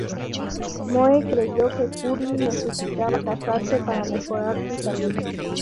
Moe creyó que Curly necesitaba casarse para mejorar su salud.